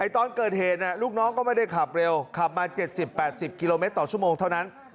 ตอนเกิดเหตุลูกน้องก็ไม่ได้ขับเร็วขับมา๗๐๘๐กิโลเมตรต่อชั่วโมงเท่านั้น